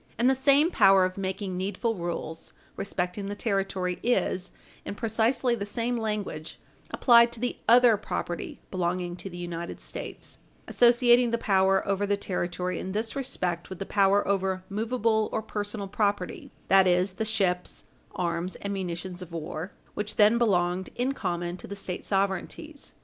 And the same power of making needful rules respecting the territory is, in precisely the same language, applied to the other property belonging to the United States associating the power over the territory in this respect with the power over movable or personal property that is, the ships, arms, and munitions of war, which then belonged in common to the State sovereignties.